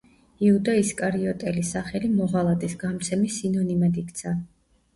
იუდა ისკარიოტელის სახელი მოღალატის, გამცემის სინონიმად იქცა.